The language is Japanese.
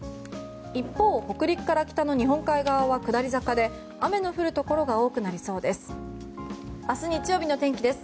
一方、北陸から北の日本海側は下り坂で雨の降るところが多くなりそうです。